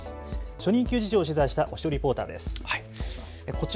初任給事情を取材した押尾リポーターです。